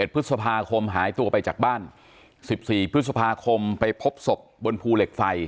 พฤษภาคมหายตัวไปจากบ้าน๑๔พฤษภาคมไปพบศพบนภูเหล็กไฟ